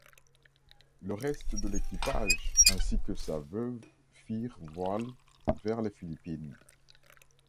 Le reste de l'équipage, ainsi que sa veuve, firent voile vers les Philippines.